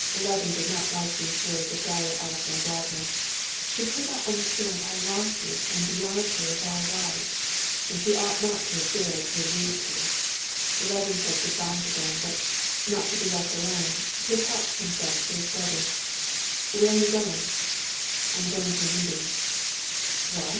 Levin did not like these words of Darya Alexandrovna's. She could not understand how lofty and beyond her it all was, and she ought not to have dared to allude to it. Levin said good bye to them, but, not to be left alone, he attached himself to his brother. "Where are you going?" "I'm going to a meeting."